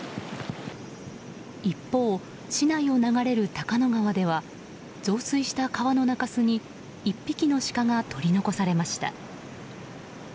一方、市内を流れる高野川では増水した川の中州に１匹のシカが取り残されました。